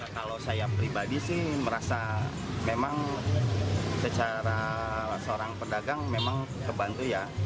kalau saya pribadi sih merasa memang secara seorang pedagang memang kebantu ya